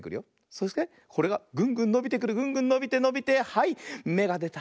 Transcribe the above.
そしてこれがグングンのびてくるグングンのびてのびてはいめがでた！